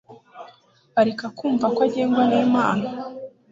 Areka kumva ko agengwa n'Imana.